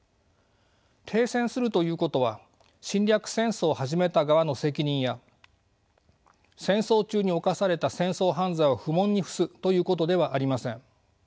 停戦するということは侵略戦争を始めた側の責任や戦争中に犯された戦争犯罪を不問に付すということではありません。